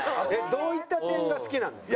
どういった点が好きなんですか？